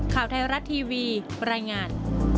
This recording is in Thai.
ข่าวไทยรัฐทีวีรายงาน